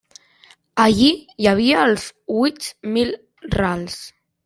Allí hi havia els huit mil rals.